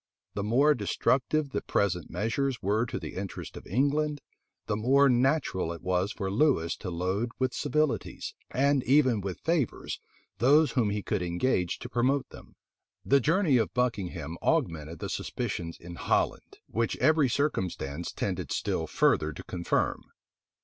The more destructive the present measures were to the interests of England, the more natural was it for Lewis to load with civilities, and even with favors, those whom he could engage to promote them. The journey of Buckingham augmented the suspicions in Holland, which every circumstance tended still further to confirm.